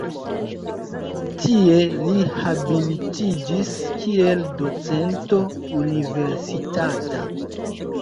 Tie li habilitiĝis kiel docento universitata.